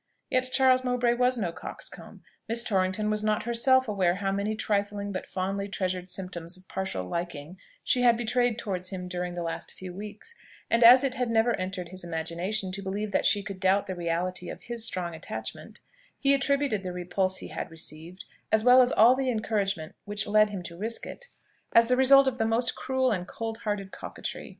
Yet Charles Mowbray was no coxcomb. Miss Torrington was not herself aware how many trifling but fondly treasured symptoms of partial liking she had betrayed towards him during the last few weeks; and as it never entered his imagination to believe that she could doubt the reality of his strong attachment, he attributed the repulse he had received, as well as all the encouragement which led him to risk it, as the result of the most cruel and cold hearted coquetry.